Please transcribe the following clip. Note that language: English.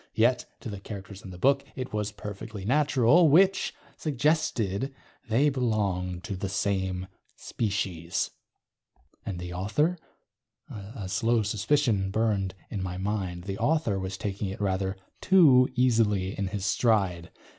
Yet, to the characters in the book, it was perfectly natural which suggested they belonged to the same species. And the author? A slow suspicion burned in my mind. The author was taking it rather too easily in his stride.